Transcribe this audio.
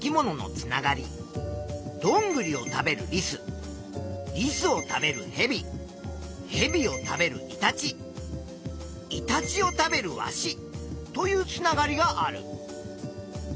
ドングリを食べるリスリスを食べるヘビヘビを食べるイタチイタチを食べるワシというつながりがある。